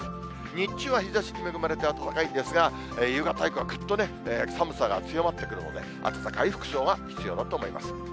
日中は日ざし、恵まれて暖かいんですが、夕方以降はぐっとね、寒さが強まってくるので、暖かい服装が必要だと思います。